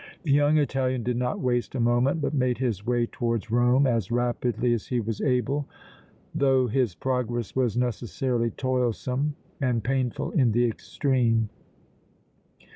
The young Italian did not waste a moment, but made his way towards Rome as rapidly as he was able, though his progress was necessarily toilsome and painful in the extreme.